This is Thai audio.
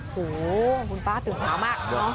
โหคุณป้าตื่นเช้ามาก